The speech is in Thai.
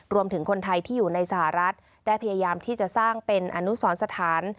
รวมถึงคนไทยที่อยู่ในสหรัฐได้พยายามที่จะสร้างเป็นอนุสรสถาน